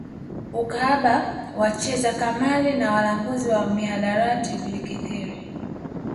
Ukahaba wacheza kamali na walanguzi wa mihadarati vilikithiri